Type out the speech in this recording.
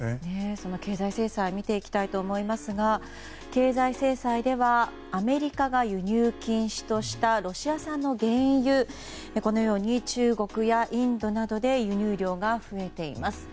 その経済制裁を見ていきたいと思いますが経済制裁ではアメリカが輸入禁止としたロシア産の原油はこのように中国やインドなどで輸入量が増えています。